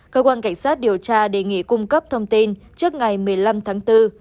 cơ quan cảnh sát điều tra đề nghị cung cấp thông tin trước ngày một mươi năm tháng bốn